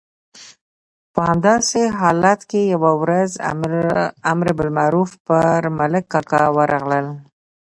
په همداسې حالت کې یوه ورځ امر بالمعروف پر ملک کاکا ورغلل.